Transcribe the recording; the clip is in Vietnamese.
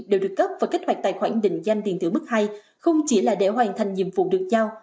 đều được cấp và kích hoạt tài khoản định danh điện tử mức hai không chỉ là để hoàn thành nhiệm vụ được giao